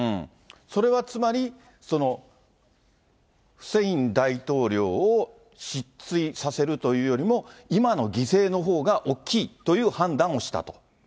それはつまり、フセイン大統領を失墜させるというよりも、今の犠牲のほうが大きいという判断をしたと。